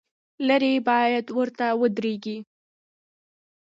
لرې باید ورته ودرېږې.